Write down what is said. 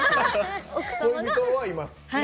恋人はいます。